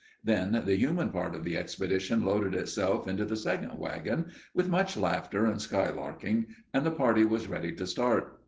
Then the human part of the expedition loaded itself into the second wagon, with much laughter and skylarking, and the party was ready to start.